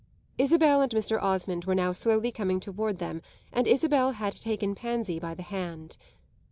Isabel and Mr. Osmond were now slowly coming toward them and Isabel had taken Pansy by the hand.